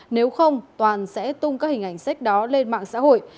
nếu không toàn sẽ tung các hình ảnh sách đó lên mạng xã hội